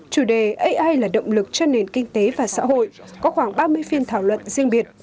chủ đề ai là động lực cho nền kinh tế và xã hội có khoảng ba mươi phiên thảo luận riêng biệt